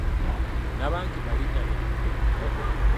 Nabankema linnya lya muntu.